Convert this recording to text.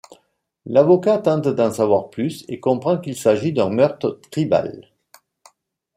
L'avocat tente d'en savoir plus et comprend qu'il s'agit d'un meurtre tribal.